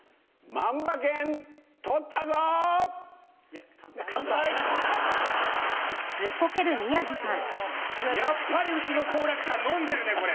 やっぱりやっぱりうちの好楽さん飲んでるねこれ。